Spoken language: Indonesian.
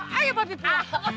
kamu ke rumah sekarang